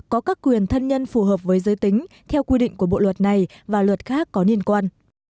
có các quyền thân nhân phù hợp với giới tính theo quy định của bộ luật này và luật khác có liên quan